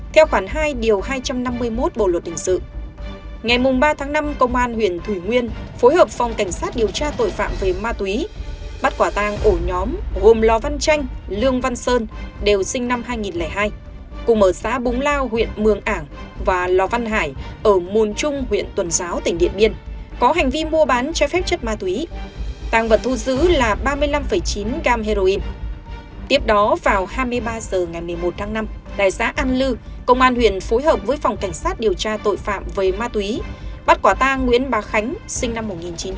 tiếp đó vào hai mươi ba h ngày một mươi một tháng năm tại xã an lư công an huyện phối hợp với phòng cảnh sát điều tra tội phạm với ma túy bắt quả ta nguyễn bà khánh sinh năm một nghìn chín trăm chín mươi một